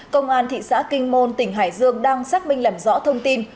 công an thị xã kinh môn tỉnh hải dương đang xác minh làm rõ thông tin